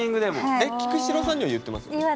えっ菊紫郎さんには言ってますよね？